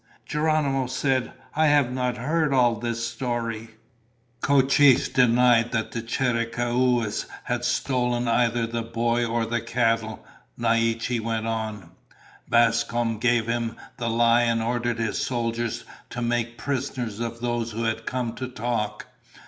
Geronimo said, "I have not heard all this story." "Cochise denied that Chiricahuas had stolen either the boy or the cattle," Naiche went on. "Bascom gave him the lie and ordered his soldiers to make prisoners of those who had come to talk.